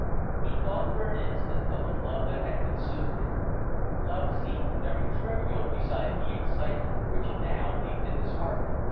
He thought for an instant of the love that had consumed him: love seemed very trivial beside the excitement which now leaped in his heart.